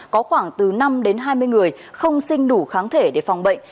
có khoảng từ năm đến hai mươi người không sinh đủ kháng thể để phòng bệnh